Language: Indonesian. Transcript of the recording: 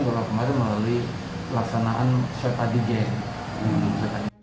bahwa kemarin melalui pelaksanaan sepatu geng